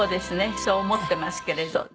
そう思ってますけれど。